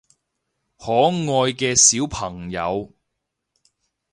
可愛嘅小朋友